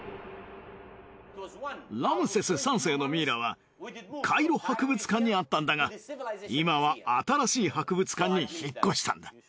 ラムセス３世のミイラはカイロ博物館にあったんだが今は新しい博物館に引っ越したんだ。